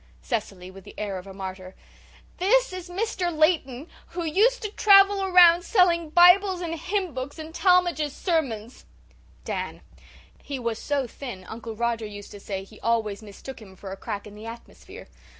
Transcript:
'" CECILY, WITH THE AIR OF A MARTYR: "This is Mr. Layton, who used to travel around selling Bibles and hymn books and Talmage's sermons." DAN: "He was so thin Uncle Roger used to say he always mistook him for a crack in the atmosphere.